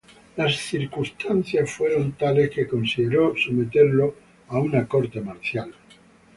Las circunstancias fueron tales, que se consideró someterlo a una corte marcial.